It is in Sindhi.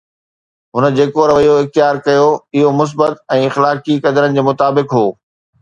هن جيڪو رويو اختيار ڪيو اهو مثبت ۽ اخلاقي قدرن جي مطابق هو.